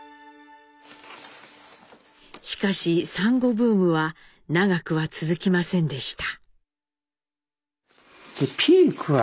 しかしサンゴブームは長くは続きませんでした。